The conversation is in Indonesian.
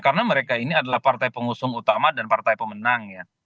karena mereka ini adalah partai pengusung utama dan partai pemenang ya